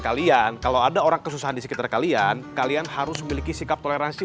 kalian kalau ada orang kesusahan di sekitar kalian kalian harus memiliki sikap toleransi